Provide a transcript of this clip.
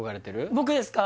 僕ですか？